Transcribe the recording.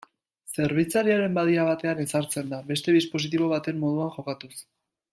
Zerbitzariaren badia batean ezartzen da, beste dispositibo baten moduan jokatuz.